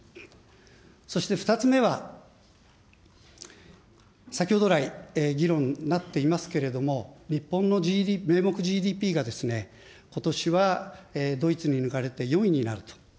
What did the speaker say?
そして２つ目は、先ほど来、議論になっていますけれども、日本の名目ＧＤＰが、ことしはドイツに抜かれて４位になると。